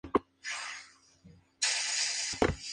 Los adherentes posteriores no tenían tales controles.